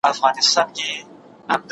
تاج دي کم سلطان دي کم اورنګ دي کم